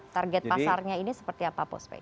target pasarnya ini seperti apa postpec